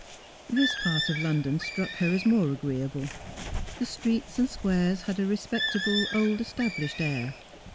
This part of London struck her as more agreeable. The streets and squares had a respectable, old established air.